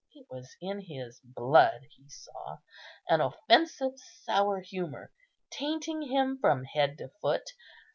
It was in his blood, he saw; an offensive, sour humour, tainting him from head to foot.